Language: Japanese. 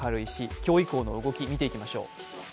今日以降の動きを見ていきましょう。